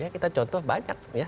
kita contoh banyak